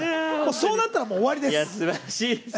そうなったら、もう終わりです。